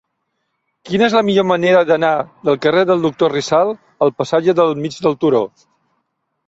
Quina és la millor manera d'anar del carrer del Doctor Rizal al passatge del Mig del Turó?